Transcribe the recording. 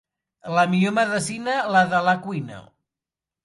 La millor medecina, la de la cuina.